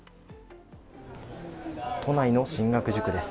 都内の進学塾です。